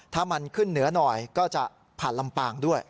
ถ้ามันขึ้นเหนือหน่อยก็จะผ่านลำปางด้วย